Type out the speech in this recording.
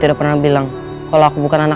tidak pernah bilang kalau aku bukan anak